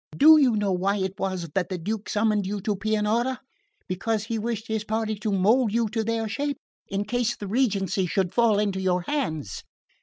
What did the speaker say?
Do you know why it was that the Duke summoned you to Pianura? Because he wished his party to mould you to their shape, in case the regency should fall into your hands.